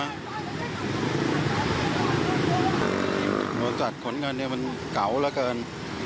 ตำรวจขนกันเนี่ยมันเก่าเหลือเกิน